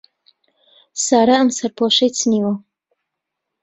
سارا ئەم سەرپۆشەی چنیوە.